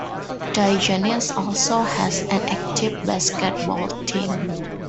Digenis also has an active basketball team.